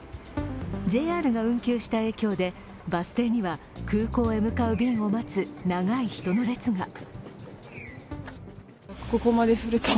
ＪＲが運休した影響でバス停には空港へ向かう便を待つ長い人の列が。